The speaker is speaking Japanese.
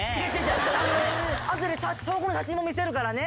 後で証拠の写真も見せるからね！